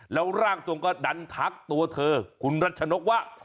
แล้วร่างทรงก็ดันทักตัวเธอคุณรัชนกว่า